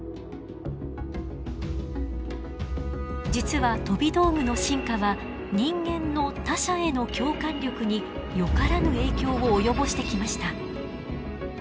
実は飛び道具の進化は人間の他者への共感力によからぬ影響を及ぼしてきました。